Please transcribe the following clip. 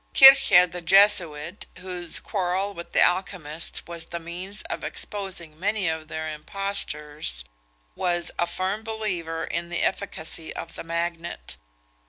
Kircher the Jesuit, whose quarrel with the alchymists was the means of exposing many of their impostures, was a firm believer in the efficacy of the magnet.